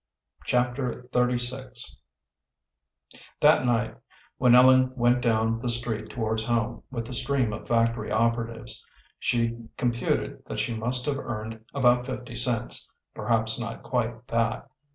Chapter XXXVI That night, when Ellen went down the street towards home with the stream of factory operatives, she computed that she must have earned about fifty cents, perhaps not quite that.